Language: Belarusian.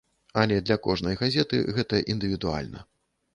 Але для кожнай газеты гэта індывідуальна.